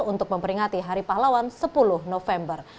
untuk memperingati hari pahlawan sepuluh november